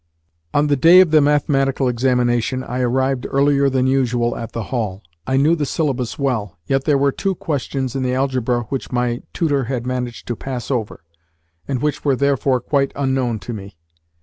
On the day of the mathematical examination I arrived earlier than usual at the hall. I knew the syllabus well, yet there were two questions in the algebra which my tutor had managed to pass over, and which were therefore quite unknown to me.